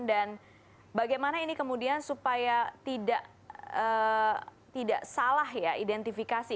dan bagaimana ini kemudian supaya tidak salah ya identifikasi